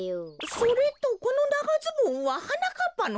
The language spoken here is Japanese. それとこのながズボンははなかっぱのかい？